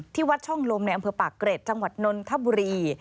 วัดช่องลมในอำเภอปากเกร็ดจังหวัดนนทบุรี